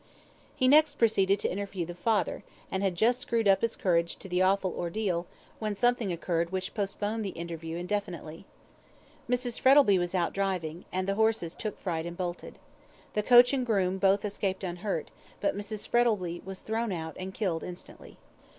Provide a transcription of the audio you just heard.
He next proceeded to interview the father, and had just screwed up his courage to the awful ordeal, when something occurred which postponed the interview indefinitely. Mrs. Frettlby was out driving, and the horses took fright and bolted. The coachman and groom both escaped unhurt, but Mrs. Frettlby was thrown out and killed instantly.